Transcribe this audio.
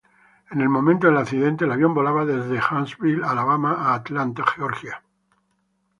En el momento del accidente el avión volaba desde Huntsville, Alabama a Atlanta, Georgia.